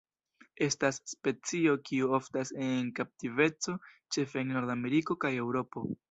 Estas specio kiu oftas en kaptiveco ĉefe en Nordameriko kaj Eŭropo.